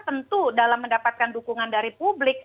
tentu dalam mendapatkan dukungan dari publik